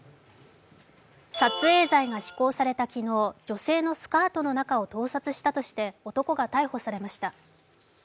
撮影罪が施行された昨日、女性のスカートの中を盗撮したとして男が逮捕されました。